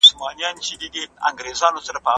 ماشومانو ته پاکوالی ورزده کړه